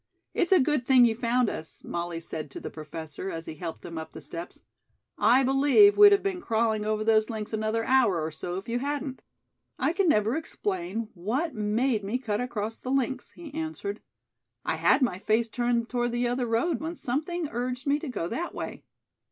"It's a good thing you found us," Molly said to the Professor as he helped them up the steps. "I believe we'd have been crawling over those links another hour or so if you hadn't." "I can never explain what made me cut across the links," he answered. "I had my face turned toward the other road when something urged me to go that way."